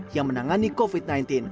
yang menangani covid sembilan belas